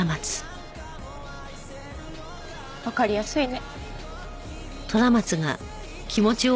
わかりやすいね。